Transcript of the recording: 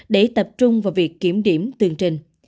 để tập trung vào việc kiểm điểm tương trình